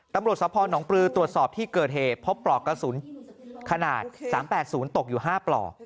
ตำรวจสภหนองปลือตรวจสอบที่เกิดเหตุพบปลอกกระสุนขนาด๓๘๐ตกอยู่๕ปลอก